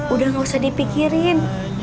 udah gak usah dipikirin